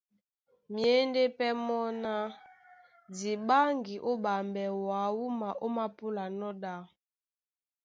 Myěndé pɛ́ mɔ́ ná :Di ɓáŋgi ó ɓambɛ wǎ wúma ómāpúlanɔ́ ɗá.